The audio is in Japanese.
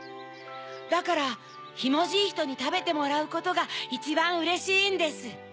だからひもじいひとにたべてもらうことがいちばんうれしいんです。